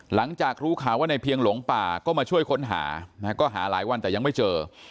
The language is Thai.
หลังจากรู้ข่าวว่าในเพียงหลงป่าก็มาช่วยค้นหานะฮะก็หาหลายวันแต่ยังไม่เจอ